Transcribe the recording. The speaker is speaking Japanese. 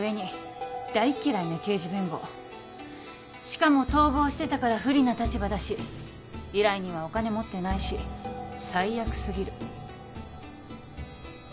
しかも逃亡してたから不利な立場だし依頼人はお金持ってないし最悪過ぎる。